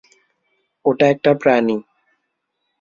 ওটা একটা প্রাণী।